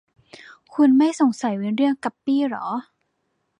คุณไม่สงสัยวิลเลี่ยม กัปปี้หรอ ?